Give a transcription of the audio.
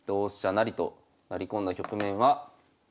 成と成り込んだ局面は。